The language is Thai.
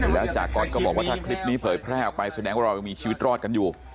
แล้วจากรก็บอกว่าถ้าคลิปนี้เผยแพร่ออกไปแสดงว่าเรายังมีชีวิตรอดกันอยู่